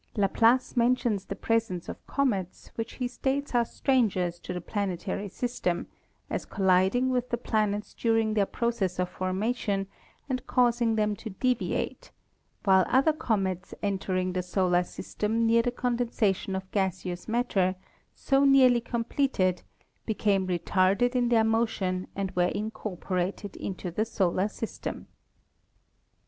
Laplace mentions the presence of comets, which he states are strangers to the planetary system, as colliding with the planets during their process of formation and causing them to deviate, while other comets entering the solar 312 ASTRONOMY system near the condensation of gaseous matter, so nearly completed, became retarded in their motion and were in corporated into the solar system.